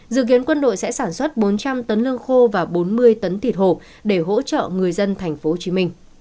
dự kiến quân đội sẽ sản xuất bốn trăm linh tấn lương khô và bốn mươi tấn thịt hồ để hỗ trợ người dân tp hcm